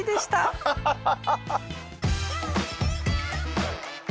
アハハハ！